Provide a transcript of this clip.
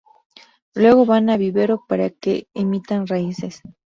Luego van a vivero para que emitan raíces.